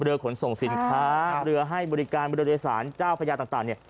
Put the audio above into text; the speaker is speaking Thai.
ขนส่งสินค้าเรือให้บริการเรือโดยสารเจ้าพญาต่างเนี่ย